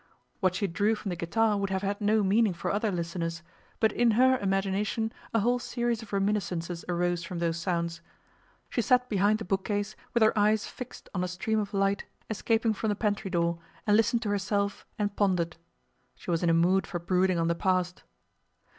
What she drew from the guitar would have had no meaning for other listeners, but in her imagination a whole series of reminiscences arose from those sounds. She sat behind the bookcase with her eyes fixed on a streak of light escaping from the pantry door and listened to herself and pondered. She was in a mood for brooding on the past.